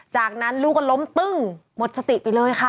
จากนั้นลูกก็ล้มตึ้งหมดสติไปเลยค่ะ